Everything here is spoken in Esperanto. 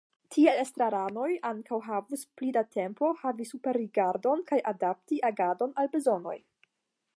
Tiel estraranoj ankaŭ havus pli da tempo, havi superrigardon kaj adapti agadon al bezonoj.